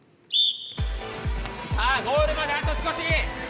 さあゴールまであと少し！